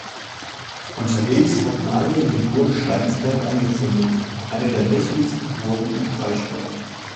Unterwegs hatten einige die Burg Steinsberg angezündet, eine der mächtigsten Burgen im Kraichgau.